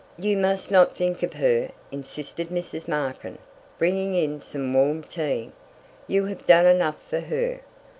"You must not think of her," insisted Mrs. Markin, bringing in some warm tea. "You have done enough for her.